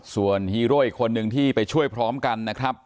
ส่วนฮีโร่อีกคนนึงที่ไปช่วยพร้อมกันนะครับ